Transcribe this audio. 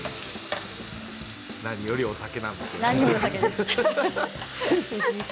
何よりもお酒なんですね。